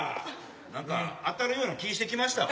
なんか当たるような気ぃしてきましたわ。